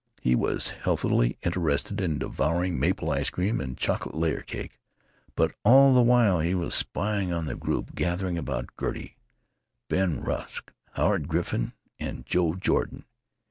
He was healthily interested in devouring maple ice cream and chocolate layer cake. But all the while he was spying on the group gathering about Gertie—Ben Rusk, Howard Griffin, and Joe Jordan.